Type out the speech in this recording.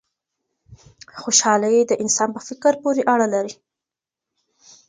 خوشحالي د انسان په فکر پوري اړه لري.